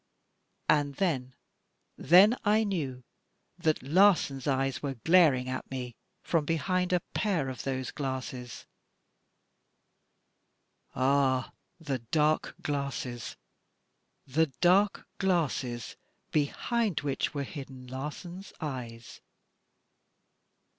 And then — ^then I knew that Larsan's eyes were glaring at me from behind a pair of those glasses — ah! the dark glasses, — the dark glasses behind which were hidden Larsan's eyes.